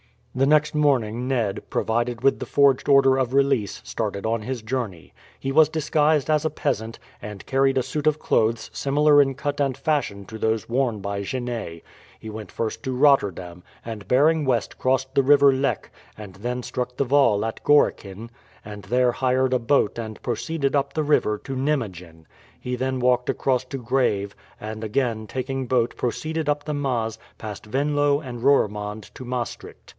The next morning Ned, provided with the forged order of release, started on his journey. He was disguised as a peasant, and carried a suit of clothes similar in cut and fashion to those worn by Genet. He went first to Rotterdam, and bearing west crossed the river Lek, and then struck the Waal at Gorichen, and there hired a boat and proceeded up the river to Nymegen. He then walked across to Grave, and again taking boat proceeded up the Maas, past Venlo and Roermond to Maastricht.